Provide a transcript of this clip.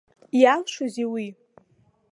Иалшозеи уи?